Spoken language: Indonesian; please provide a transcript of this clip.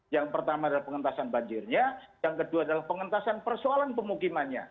yang pertama adalah pengentasan banjirnya yang kedua adalah pengentasan persoalan pemukimannya